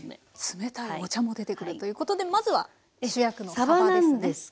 冷たいお茶も出てくるということでまずは主役のさばですね。